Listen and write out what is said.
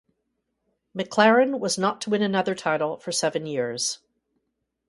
McLaren was not to win another title for seven years.